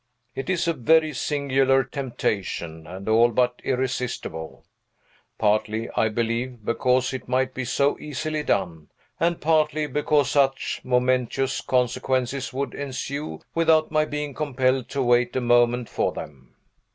It is a very singular temptation, and all but irresistible; partly, I believe, because it might be so easily done, and partly because such momentous consequences would ensue, without my being compelled to wait a moment for them.